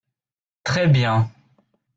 Très bien